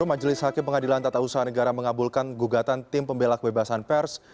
majelis hakim pengadilan tata usaha negara mengabulkan gugatan tim pembelak kebebasan pers